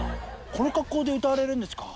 この格好で歌われるんですか？